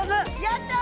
やった！